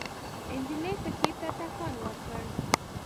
نجلۍ پښې ته ټکان ورکړ.